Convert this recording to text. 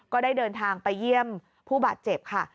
ก็ได้เดินทางไปเยี่ยมผู้บาดเจ็บค่ะ